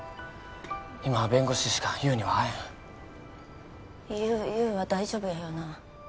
今は弁護士しか優には会えん優優は大丈夫やよな？